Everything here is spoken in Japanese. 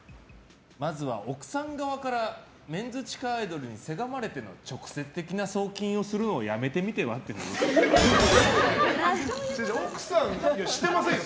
まずは奥さん側からメンズ地下アイドルにせがまれての直接的な送金をするのを奥さん、してませんよ！